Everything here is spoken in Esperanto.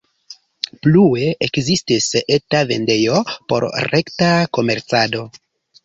Plue ekzistis eta vendejo por rekta komercado.